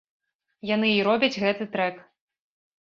Яны і робяць гэты трэк.